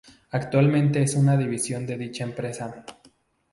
Actualmente es una división de dicha empresa.